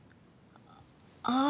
ああ。